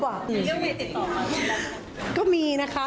อย่างเงี้ยมีติดต่อมากกว่า